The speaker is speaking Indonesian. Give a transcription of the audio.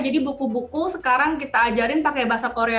jadi buku buku sekarang kita ajarin pakai bahasa korea